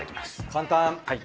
簡単！